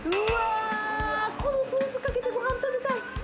このソースかけて、ご飯食べたい！